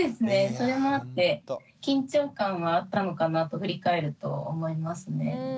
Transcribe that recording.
それもあって緊張感はあったのかなと振り返ると思いますね。